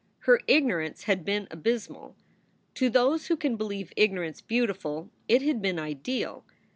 Her ignorance had been abysmal. To those who can believe ignorance beautiful, it had been ideal.